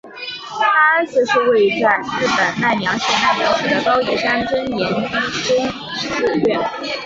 大安寺是位在日本奈良县奈良市的高野山真言宗寺院。